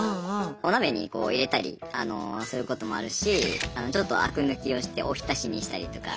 お鍋にこう入れたりすることもあるしちょっとあく抜きをしておひたしにしたりとか。